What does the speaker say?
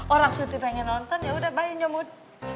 orang syuti pengen nonton yaudah bye nyomot